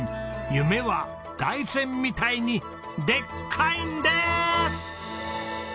夢は大山みたいにでっかいんでーす！